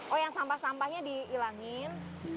oh yang sampah sampahnya dihilangin